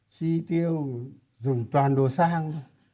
chi tiêu dùng toàn đồ sang